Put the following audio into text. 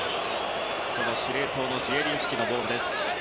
司令塔のジエリンスキのボールです。